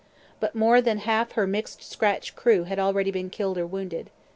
But more than half her mixed scratch crew had been already killed or wounded.